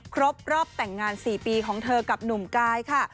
ครบรอบแต่งงาน๔ปีของเธอกับหนุ่มกายค่ะ